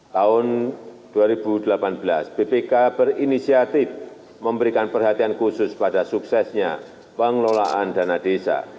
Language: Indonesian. tahun dua ribu delapan belas bpk berinisiatif memberikan perhatian khusus pada suksesnya pengelolaan dana desa